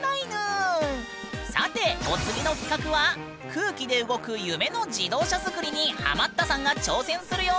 さてお次の企画は空気で動く夢の自動車作りにハマったさんが挑戦するよ！